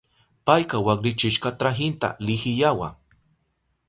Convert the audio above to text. Payka waklichishka trahinta lihiyawa.